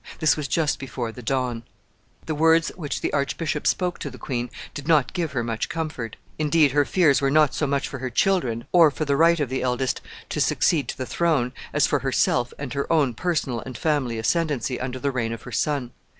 This was just before the dawn. The words which the archbishop spoke to the queen did not give her much comfort. Indeed, her fears were not so much for her children, or for the right of the eldest to succeed to the throne, as for herself and her own personal and family ascendency under the reign of her son.